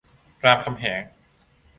รามคำแหง